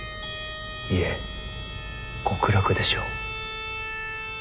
いえ極楽でしょう。